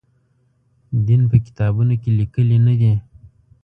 دین په کتابونو کې لیکلي نه دی.